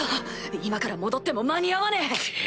今から戻っても間に合わねえ！